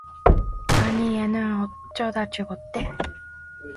아니 얘는 어쩌다 죽었대?